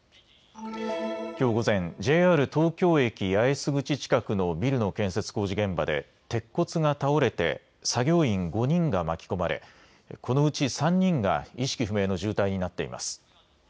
きょう午前、ＪＲ東京駅八重洲口近くのビルの建設工事現場で鉄骨が倒れて作業員５人が巻き込まれ、このうち３人が意識不明の重体になっています。